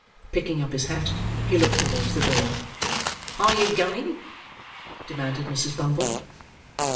Picking up his hat, he looked towards the door. "Are you going?" demanded Mrs. Bumble.